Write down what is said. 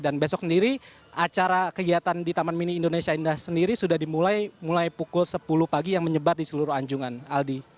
dan besok sendiri acara kegiatan di taman mini indonesia indah sendiri sudah dimulai pukul sepuluh pagi yang menyebar di seluruh anjungan aldi